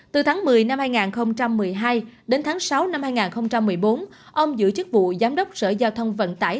từ tháng một mươi năm hai nghìn một mươi hai đến tháng sáu năm hai nghìn một mươi bốn ông giữ chức vụ giám đốc sở giao thông vận tải